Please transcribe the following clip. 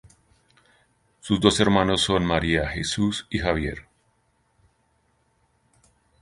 Sus dos hermanos son María Jesús y Javier.